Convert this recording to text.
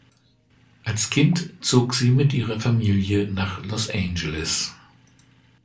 Als Kind zog sie mit ihrer Familie nach Los Angeles.